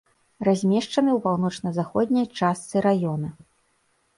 Размешчаны ў паўночна-заходняй частцы раёна.